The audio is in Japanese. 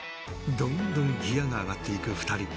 どんどんギアが上がっていく２人